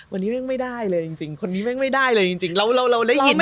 วันนี้แม่งไม่ได้เลยจริงคนนี้แม่งไม่ได้เลยจริงเราได้ยิน